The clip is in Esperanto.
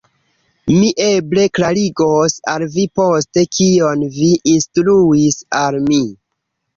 Mi eble klarigos al vi poste, kion vi instruis al mi.